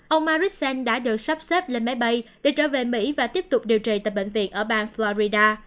ông marissen đã được sắp xếp lên máy bay để trở về mỹ và tiếp tục điều trị tại bệnh viện ở bang florida